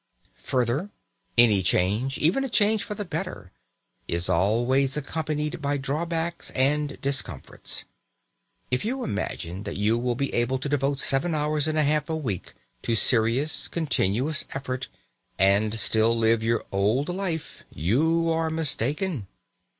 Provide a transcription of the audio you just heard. Further, any change, even a change for the better, is always accompanied by drawbacks and discomforts. If you imagine that you will be able to devote seven hours and a half a week to serious, continuous effort, and still live your old life, you are mistaken.